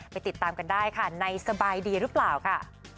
ติดตามกันได้ค่ะในสบายดีหรือเปล่าค่ะ